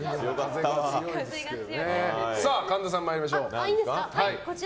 さあ、神田さん、参りましょう。